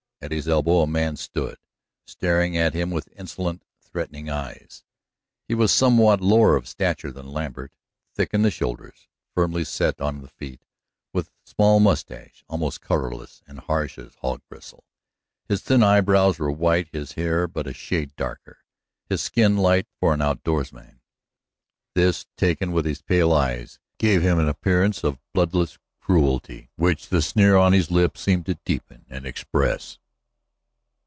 At his elbow a man stood, staring at him with insolent, threatening eyes. He was somewhat lower of stature than Lambert, thick in the shoulders, firmly set on the feet, with small mustache, almost colorless and harsh as hog bristles. His thin eyebrows were white, his hair but a shade darker, his skin light for an outdoors man. This, taken with his pale eyes, gave him an appearance of bloodless cruelty which the sneer on his lip seemed to deepen and express.